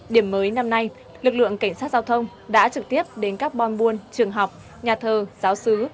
điểm mới năm nay lực lượng cảnh sát giao thông đã trực tiếp đến các bon buôn trường học nhà thơ giáo sứ